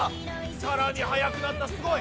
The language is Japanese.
さらに速くなったすごい。